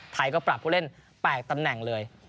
ไทยก็ปรับผู้เล่น๘ตำแหน่งเลย